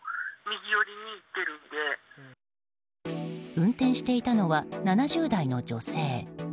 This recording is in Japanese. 運転していたのは７０代の女性。